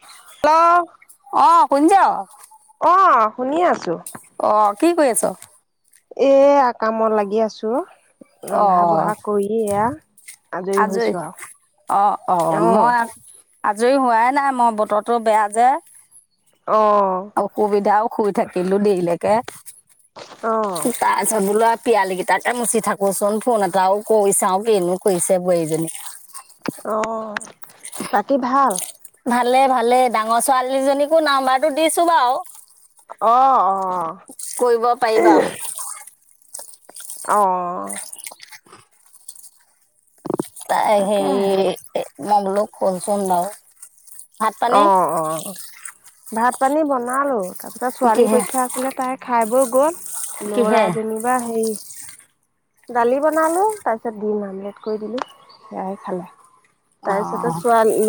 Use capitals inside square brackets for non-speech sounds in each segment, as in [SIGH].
Hello শুনিচ অ শুনি আছো। আহ কি কৰি আছ । এ কামত লাগি আছো অ ৰন্ধা বঢ়া কৰি এয়া আজৰি হৈছো। আৰু অ অ মই আজৰি হোৱাই নাই মই বতৰটো বেয়া যে। অ অসুবিধাও শুই থাকিলো দেৰিলেকে অ তাৰপিছত বোলো। পিয়ালি কেইটাকে মুচি থাকোচোন ফোন এটা আৰু কৈ চাও কনো কৰিছে বজনী । অ বাকী ভাল ভালে ভালে ডাঙৰ ছোৱালীজনীকো নাম্বাৰটো দিছো বাৰু অ অ কৰিব পাৰিবা । অঁ ত হে তাকেহে মই বলক শনচোন নও অ অ ভাত পানী বনালো তাৰপিছত ছোৱালী কিহে পৰীক্ষা আছিলে তাই খাই বৈ গ'ল কিহে লৰা যেনিবা হে দালি বনালো তাৰ পিছত ডিম আমলেট কৰি দিলো সেয়াহাই খালে অ তাৰপিছতে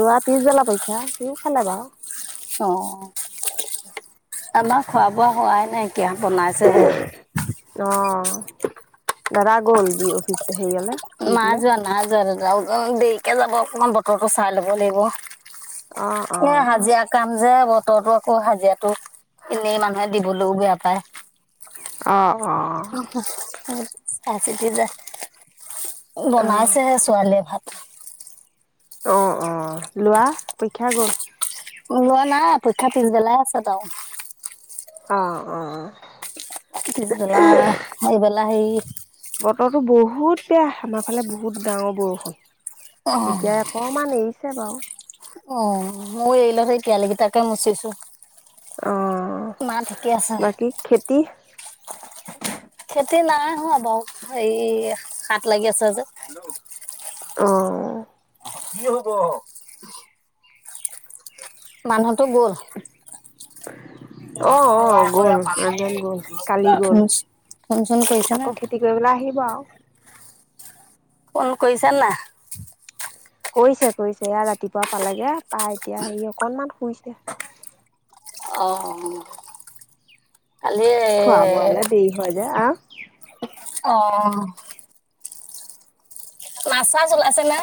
লোৱা পিছবেলা পৰীক্ষা সিও খালে বাৰু- অ আমাৰ খোৱা বোৱা হোৱাই নাই। ক বনাই চহে অ দাদা গ'ল দি অফিচ হ হেৰিয়লে। না যোৱা না যোৱা দেৰিকে যাব অকমান বতৰটো চাই ল'ব লাগিব অ', এ অ', হাজিৰা কাম যে ব বতো আকৌ হাজিৰাটো এনেই মানুহে দিবলৈও বেয়া পায় । অ', অ', চাইচিতি দে অ', বনাইছেহে ছোৱালীয়ে ভাত, অ অ লোৱা পৰীক্ষা গ'ল, লোৱা নাই অপেক্ষা পিছবেলাই আছে তাও আহ অ অ, পিছবেলা সেইবেলা সেই বতৰটো বহুত বেয়া আমাৰ ফালে বহুত ডাঙৰ বৰষুণ অ এতিয়া অকমান এৰিছে বাৰু অ মই এৰি ল সেই পিয়ালী কিটাকে মুচিছো অ মা ঠিকে আছে। বাকী খেতি খেতি নাই হোৱা বাৰু এই হাট লাগি আছে যে। অ কি হ'ব মানুহটো গ'ল অ', অ', গ'ল মানুহজন গ'ল কালি [UNINTELLIGIBLE] গ'ল ফোন চোন কৰিছে নে আকৌ খেতি কৰিবলৈ আহিব আৰু ফোন কৰিছা না কৰিছে কৰিছে এয়া ৰাতিপুৱা পালেগে পাই এতিয়া সেই অকনমান শুইছে অঁ কালি খোৱা এএ বোৱালে দেৰি হয় যে আহ অ অ মাছ চাছ ওলাইছে নে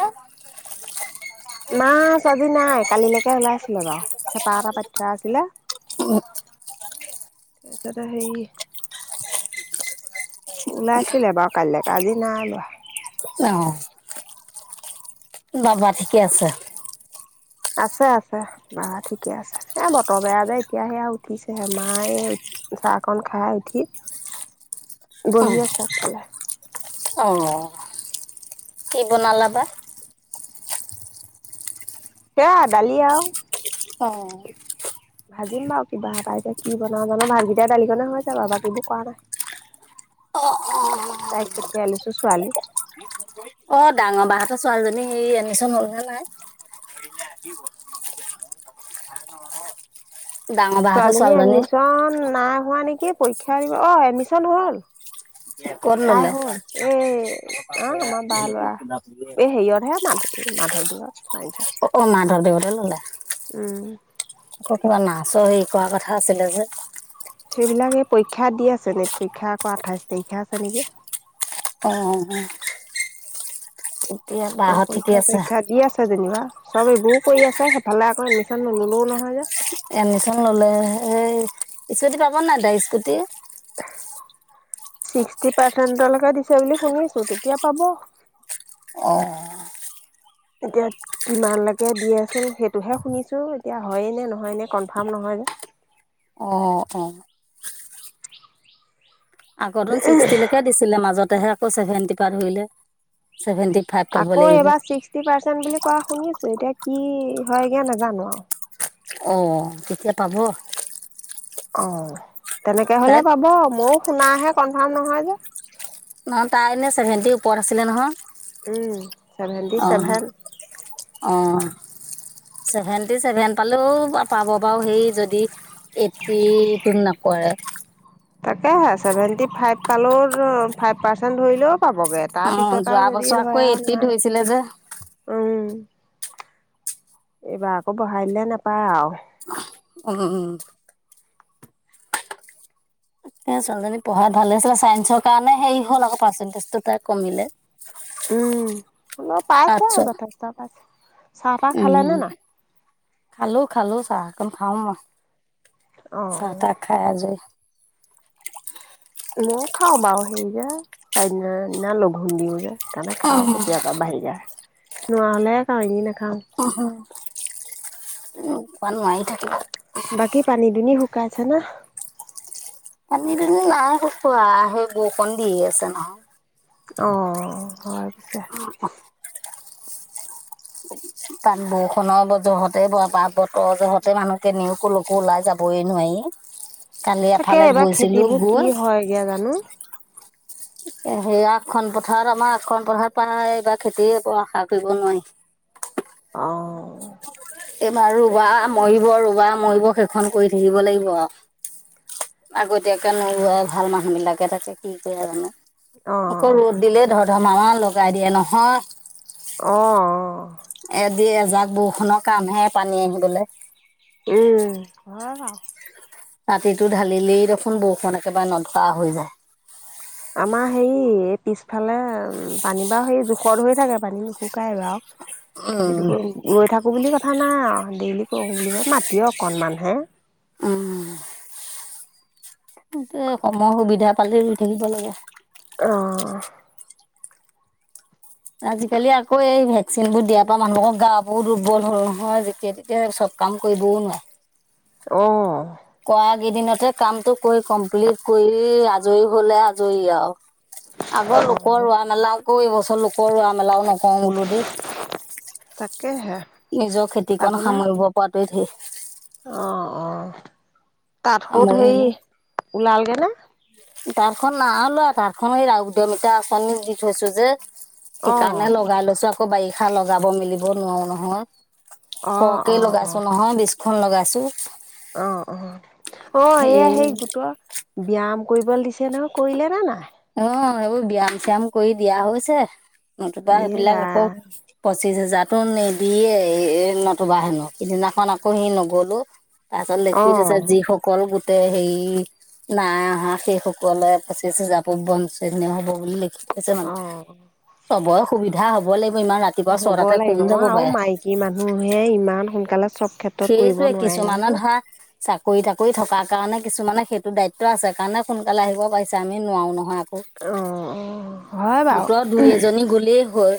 মাছ আজি নাই কালিলেকে ওলাইছিলে বাৱ, চেপা এটা পাতি থোৱা আছিলে, অ তাৰপিছতে সেই ওলাইছিলে বাৰু কাইলেকে আজি নাই ওলুৱা। অহ বাবা ঠিকে আছে আছে আছে বা ঠিকে আছে এ বতৰ বেয়া যে এতিয়া সে আৱ উঠিছেহে, মায় চাহকণ খাই উঠি [UNINTELLIGIBLE] বহি আছে আগফালে অঁ কি বনালা বা? সেয়া দালি আৱ অঁ ভাজিম বাৱ কিবা এটা এতিয়া কি বনাওঁ জানো, ভাজিটোৱে দালিখনে হৈ যাব বাকিবোৰ কৰা নাই অ তাইক পঠিয়াই লৈছো ছোৱালী অহ অ ডাঙৰ বা হঁতৰ ছোৱালীজনী হেৰি এডমিচন ললে নে নাই ডাঙৰ বাহঁতৰ ছোৱালীজনী এডমিচন নাই হোৱা নেকি পৰীক্ষা দিব, অ এডমিচন হ'ল। ক'ত তাই ল'লে? হ'ল, এই আহ আমাৰ বা ল'ৰা এই হেৰিয়তহে মাধ মাধৱদেৱৰ ছাইন্সত অ অ মাধৱ দেৱতে ললে উম কতোৱা নাছৰ হেৰী কোৱা কথা আছিলে যে সেইবিলাক এই পৰীক্ষাত দি আছে, নেত পৰীক্ষা আকৌ আঠাইছ তাৰিখে আছে নেকি অ এতিয়া অ বাহঁত ঠিকে পৰীক্ষা আছে? চৰীক্ষা দি আছে যেনিবা চব এইবোৰো কৰি আছে, সেইফালে আকৌ এডমিচন নললো নহয় যে এডমিচন ললেহে, স্কুটি পাব নাই দাই স্কুটি ছিক্সটি পাৰ্চেন্টলেকে দিছে বুলি শুনি আছো, তেতিয়া পাব অ এতিয়া কিমান লেকে দি আছোং, সেইটোহে শুনিছোঁ এতিয়া হয়ে নে নহয় নে কনফাৰ্ম নহয় হে অঁ অ আগতোন ছিক্সটিলেকে দিছিলে মাজতেহে আকৌ চেভেন্টি পা ধৰিলে । আকৌ এবাৰ ছিক্সটি পাৰ্চেন্ট বুলি কোৱা শুনি এতিয়া কি হয়গে নেজানো আৱ অঁ তেতিয়া পাব অ তেনেকে হলে তাইত পাব ময়ও শুনাহে কনফাৰ্ম নহয় যে। নহয় তাই এনে চছেভেনটি ওপৰত আছিলে নহয় । উম ছেভেন্টি ছেভেন অহ অহ । ভেনটি চেভেন পালেও পাব বাৰু সেই যদি। এটতো নকৰে । তাকে চছেভেন্টি ফাইভ পালৰ ফাইভ পাৰ্চেন্ট ধৰিলও। পাবগে তাৰ অঁ পিছত আৰু যোৱা যদি বছৰ আকৌ ধৰা এইট্টিত ধৰিছিলে যে নোৱাৰ উম। এইবাৰ আকৌ বহাইলে নোপায় আও। উম উম । এ ছোৱালীজনী পঢ়াই ভালে আছিলে চাইন্ঞ্চৰ কাৰণে হেৰি হ'ল আ পাৰ্চেন্টেজটো তাই কমিলে । উম অল পাইছে আচ্ছা আৰু যথেষ্ট পাইছে। চাহপাহ উম খালানে নাই? খালো খালো চাহকান খাওঁ ম অ চাহ তাক খাই আজ ই। মই খাওঁ বাৰু হেৰি যে চাৰিদি দিনা লঘোণ দিও যে। সেইকাৰণে খাওঁ কেতিয়াবা বাহিৰা নোৱা হলে খাওঁ এনে নাখাওঁ। উ উ মমানায়ে থাকিব। কাইছ না । পানী নাই ক ক সেই বৰকণ দি আছে নহয় । অ হয় । অঁ । [UNINTELLIGIBLE] তাত বৰষুণৰ জহতে বা বতৰৰ জহতে মানুহ কেনেও কো লকো ওলাই যাবই নোৱাৰি। কালি তাকে এফালে এইবাৰ গৈছিলো খেতিবোৰ কি গল। হয়গে জানো সে আগখন পথাৰত আমাৰ আগখন পথাৰত প এইবাৰ খেতি আশা কৰিব নোৱাৰি । [UNINTELLIGIBLE] অঁ । এইবাৰ ৰুবা মৰিব ৰুবা মৰিব সেইখন কৰি থাকিব লাগিব আৰু। আগতীয়াকে নলাই ভাল মানুহ বিলাকে তাকে কি কৰে জানো। আকৌ অ', ৰ'দ দিলে ধৰ ধমাহ লগাই দিয়ে নহয় । অ', এদি এজাক বৰষুণৰ কামহে পানী আহিবলৈ। উম হয় বাও। ৰাতিটো ঢালিলেই দেখোন বৰষুণ একেবাৰে নথৰা হৈ যায়। আমাৰ হেৰি পিছফালে উ পানী বাাৰু সেই জোখত ধৰি থাকে পানী নুশুকাই বাৰু। উম খেতিটো ৰৈ থাকো বুলি কয় । পথাা নাই ডেইলি কৰ মাতি অ অকনমান হে। উম। এ কয় সুবিধা পালে ৰুই থাকিব লাগে। অহ । আজিকালি আকৌ এই ভেকচিন বোৰ দিয়াৰ পৰা মানুহকৰ গা প দুৰ্বল হল নহয় যেতিয়া তেতিয়া চব। কাম কৰিবওন । অ। কৰা কেইদিনতহে কামটো কৰি কমপ্লিট কৰি আজৰি হলে আজৰি আৰু--। আগৰ লোকৰ অ', ৰোৱা মেলা আকৌ এইবছৰ লোকৰ ৰোৱা মেলাও নকওঁ বোলো দেই। তাকেহে নিজৰ খেতিকণ আপোনাৰ সামৰিব পৰাটোৱে থিক। তাত স'ত হেৰি ওলালগে নে? তাত খনন না'ওলোৱা তাতখন ৰা উদমীকা আঁচনিত দি থৈছো যে। সেইকাৰণে অ', লগাই লৈছো আকৌ বাৰিষা লগাব মেলিব নোৱাৰো নহয়। অ', সকে অ', লগাইছো অ', নহয় বিস্খন লগাইছো। অ অ অহ এইয়া সেই এই গোটোৱা। ব্যায়াম কৰিবলৈ দিছে নহয় কৰিলে ন নাই? অ সেইবোৰ ব্যয়াম চয়াম কৰি দিয়া হৈছে, নতুবা এ সেইবিলাক আকৌ ৰাম পই- পঁচিছ হেজাৰতো নিদিয়ে নতুবা হেনো সিদিনাখন আকৌ সি নগলো। তাৰপিছত লেখি অ'। থৈছে যিসকল গোট- হেৰি নাই অহা সেইসকলে পঁচিছহাজাটো ব বাঞ্চনীয় হ'ব বুলি লিখ- হৈছে মানে, অ চবৰ সুবিধা হব লাগি- হ'ব লাগিব আও মাইকী মানুহহে ইমান সোনকালে চব ক্ষেত্ৰত কৰিব সেইটোৱে নোৱাৰে কিছুমানে নহয়, ধৰা চাকৰি তাকৰি থকাৰ কাৰণে কিছুমানে সেইটো দায়িত্ব আছে কাৰণে সোনকালে আহিব পাৰিছে আমি নোৱাৰো নহয়। অ অ হয় কওঁ বাৰু গোটৰ দুই এজনী গ'লেই হয়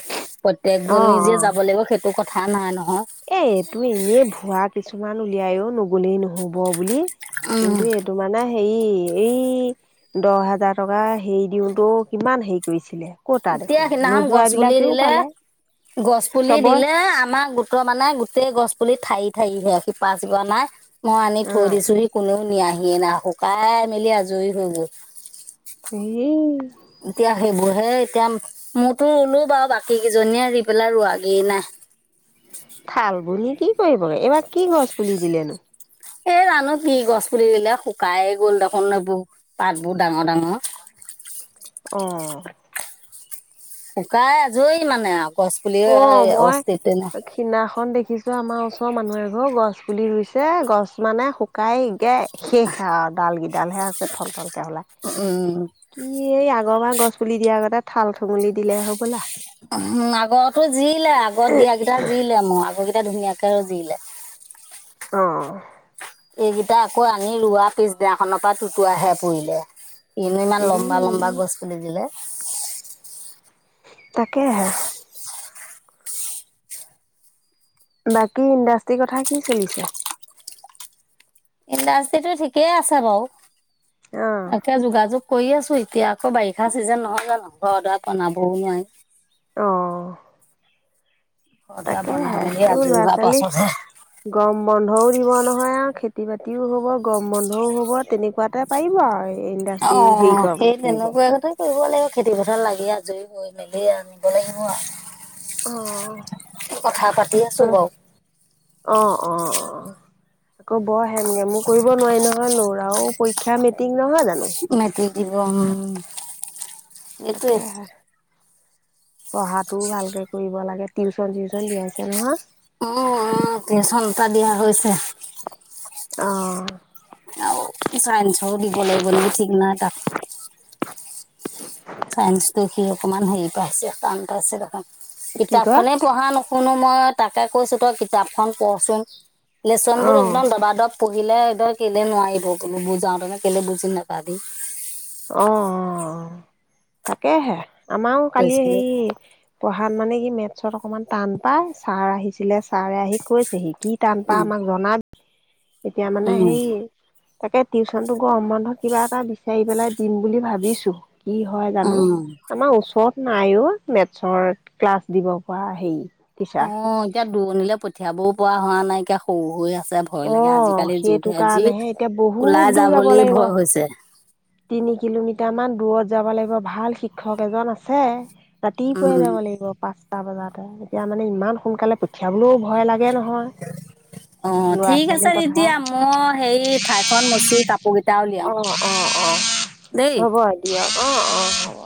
অ প্ৰত্য়েকজনী অ যে যাব লাগিব সেইটো কথা থা নাই ন এ এইটো এনেই ভুৱা কিছুমান উলিয়াই অ নোব গ'লেই নহ'ব বুলি উম কিন্তু এইটো মানে হেৰি এই দহ হাজাৰ টকা হেৰি দিওতো কিমান হেৰি কৰিছিলে। কতা এতিয়া দেখোন সিদিনাখন নোযোৱা গছ পুলি বিলাকেও দিলে পালে গছ পুলি চবৰে দিলে আমাক গো- মানে গোটেই গছ পুলি ঠাই ঠাই হৈ আছে শিপা চিপা নাই। মই আনি অ থৈ দিছোহি কোনেও নিয়াহিয়ে নাই শুকাই মেলি আজৰি হৈ গ'ল। এই এতিয়া সেইবোৰ হে এতিয়া, মইতো ৰুলো বাৰু বাকী কেইজনীয়ে ৰি পেলাই ৰোৱাগেই নাই। থাল বুলি কি কৰিবগে এইবাৰ কি গছ পুলি দিলেনো? এ জানো কি গছ পুলি দিলে শুকাই গ'ল দেখোন এইবোৰ পাতবোৰ ডাঙ ডাঙ। [INAUDIBLE] অহ শুকাই আজৰি মানে আও অ মই খীনাখনন দেখিছো আমাৰ ওচ- ৰ মানুহ এঘৰ গছ পুলি ৰুইছে গছ মানে শুকাই। এতিয়া শেষ আৰু ডাল গিডাল হে আছে থলথলকে হলাই, উম কি এই আগৰবাৰ গছ পুলি দিয়াৰগতে থাল ওম আগৰতো জিলে আগত দিয়াকেইটা জিলে মো আগৰ কিটা ধুনীয়াকে জিলে। অ তাই আকৌ আনি ৰোৱা পিছদিনাখনৰ পৰা টোতোৱাহে পৰিলে। কিনো ইমান ই লম্বা লম্বা গছ পুলি দিলে। তাকে হে বাকী ইণ্ডাষ্ট্ৰীৰ কথা কি চলিছে? ইণ্ডাষ্ট্ৰিটো ঠিকেই আছে বাৰু অ', একে যোগাযোগ কৰি আছো। এতিয়া আকৌ বাৰিষা চিজন নহয় জানো ঘৰ দুৱা বনাবও নোৱাই। অ ঘৰ দুৱাৰ তাকে বনাই হে মেলি এইবোৰ আজৰি লৰা হোৱাৰ ছোৱালী পাছতহে গৰম বন্ধও দিব নহয় আও। খেতি বাতিও হ'ব, গৰম বন্ধও হ'ব তেনেকুৱাতে পাৰিব আৰু অ ইণ্ডাষ্ট্ৰি হেৰি কাম সেই কৰিব তেনেকুৱা কথাই কৰিব লাগিব খেতি পথাৰ লাগি আজুৰি হৈ মেলি আনিব লাগিব আও। কথা পাতি আছো বাও। আহ অ অ আকৌ বৰ হেমগেমো কৰিব নোৱাৰি নহয় লৰাও পৰীক্ষা মেৰ্টিক নহয় জান- মেৰ্টিক দিব উম এইটোৱে তাকে হে পঢ়াটোও ভালকে কৰিব লাগে টিউচন চিউচন দিয়াইছে নহয়। উম টিউচন এটা দিয়া হৈছে। আহ আৰু চাইন্সো দিব লাগিব নেকি ঠিক নাই তাক। চাইন্সটো সি অকমান হেৰি পাইছে টান পাইছে দেখোন কি কয় ।কিতাপখনেই পঢ়া ন শুনো মই তাকে কৈছোঁ তই কিতাপখন কচোন, লেচনবোৰ অ', একদম দবাদব পঢ়িলে ধৰ কেলে নোৱাৰিব বোলো বুজাওতেনো কেলে বুজি নাপাবি। অ অ, তাকেহে আমাৰো কালি কৈছিলো হেই পঢ়া ভান মানে কি মেথছত অকণমান টান পায়, ছাৰ আহিছিলে ছাৰে আহি কৈছেহি কি টান পা উম আমাক জনা এতিয়া মানে উম সেই তাকে টিউচনটো গৰম বন্ধ কিবা এটা বিচাৰি পেলাই দিম বুলি ভাবিছোঁ। কি হয় জানো উম ।আমাৰ ওচৰত নায়ো মেথছৰ ক্লাছ দিব পৰা হেৰি। টিচাৰ। অ এতিয়া দূৰণিলে পঠিয়াবও পৰা হোৱা নাই, এতিয়া সৰু হৈ আ ছে ভয় লাগে অ' আজিকালি সেইটো যুগে যি, কাৰণেহে এতিয়া বহুত ওলাই দূৰ যা যাব বুলি লাগিব। ভয় হৈছে। তিনি কিলোমিটাৰ মান দূৰত যাব লাগিব ভাল শিক্ষক এজন আছে, ৰাতিপুৱাই উম, যাব লাগিব পাচ এটা বজাতে, এতিয়া মানে ইমান সোনকালে পঠিয়াবলৈও ভয় লাগে নহয়। অ ল'ৰা ঠিক আছে ছোৱালীৰ কথা তেতিয়া মই সেই ঠাইখন মচি কাপোৰ কেইটা উলিয়াও। অ' অ' অ' দেই। হ'ব দিয়া অ অ হ'ব।